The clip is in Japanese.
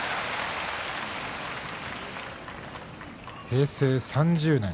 平成３０年